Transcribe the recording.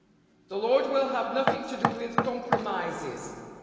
The Lord will have nothing to do with compromises.